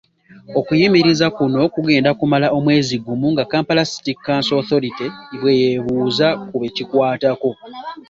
Okuyimiriza kuno ku genda kumala omwezi gumu nga Kampala City Council Authority bweyeebuuza ku bekikwatako.